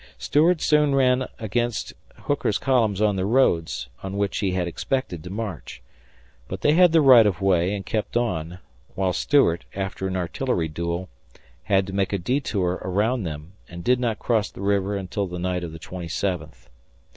Stuart soon ran against Hooker's columns on the roads on which he had expected to march. But they had the right of way and kept on, while Stuart, after an artillery duel, had to make a detour around them and did not cross the river until the night of the twenty seventh.